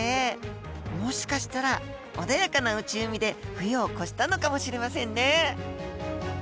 もしかしたら穏やかな内海で冬を越したのかもしれませんね。